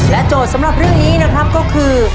โจทย์สำหรับเรื่องนี้นะครับก็คือ